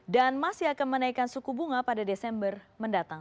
dan masih akan menaikkan suku bunga pada desember mendatang